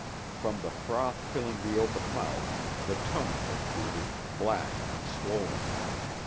From the froth filling the open mouth the tongue protruded, black and swollen.